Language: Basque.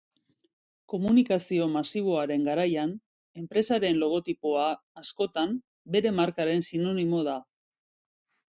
Komunikazio masiboaren garaian, enpresaren logotipoa, askotan, bere markaren sinonimo da.